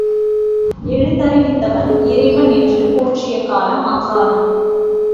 எழுத்தறிவித்தவன் இறைவன் என்று போற்றிய காலம் அக்காலம்.